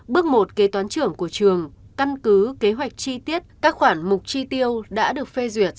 bước một kế toán trưởng của trường căn cứ kế hoạch chi tiết các khoản mục chi tiêu đã được phê duyệt